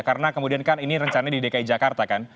karena kemudian kan ini rencana di dki jakarta kan